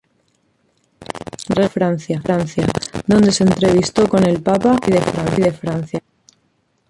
Regresó a Francia, donde se entrevistó con el Papa y el Rey de Francia.